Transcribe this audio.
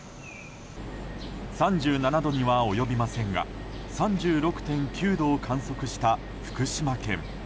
３７度には及びませんが３６．９度を観測した福島県。